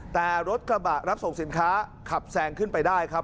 แต่รถกระบะรับส่งสินค้าขับแซงขึ้นไปได้ครับ